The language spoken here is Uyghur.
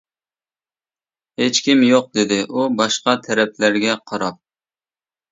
-ھېچكىم يوق-دېدى ئۇ باشقا تەرەپلەرگە قاراپ.